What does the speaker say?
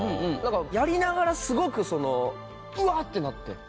やりながらすごくそのうわっ！ってなって。